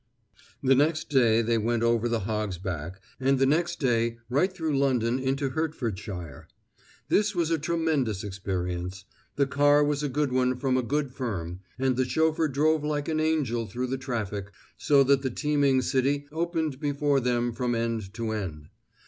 The next day they went over the Hog's Back, and the next day right through London into Hertfordshire. This was a tremendous experience. The car was a good one from a good firm, and the chauffeur drove like an angel through the traffic, so that the teeming city opened before them from end to end.